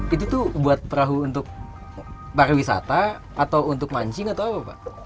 itu tuh buat perahu untuk para wisata atau untuk mancing atau apa pak